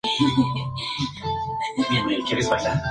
Su playa principal era conocida como el Racó de sa Fragata.